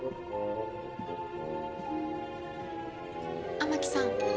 ・雨樹さん。